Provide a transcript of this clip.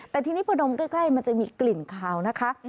แต่ทีนี้พอดมใกล้มันจะมีกลิ่นคาวนะคะ